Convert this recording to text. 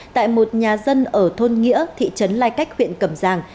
tại một nhà dân ở thôn nghĩa thị trấn lai cách huyện cầm giang